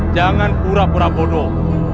jangan pura pura bodoh